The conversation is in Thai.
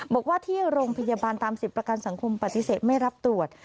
บอกว่าที่โรงพยาบาลตามสิทธิ์ประกันสังคมปฏิเสธไม่รับตรวจ